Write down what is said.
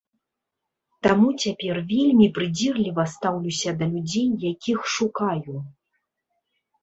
Таму цяпер вельмі прыдзірліва стаўлюся да людзей, якіх шукаю.